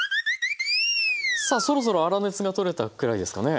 さあそろそろ粗熱が取れたくらいですかね。